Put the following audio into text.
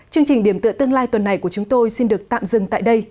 chương trình điểm tựa tương lai tuần này của chúng tôi xin được tạm dừng tại đây